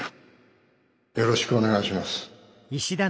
よろしくお願いします。